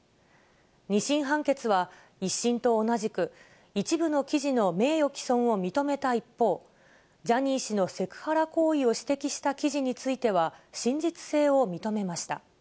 ２審判決は、１審と同じく、一部の記事の名誉棄損を認めた一方、ジャニー氏のセクハラ行為を指摘した記事については、真実性を認めました。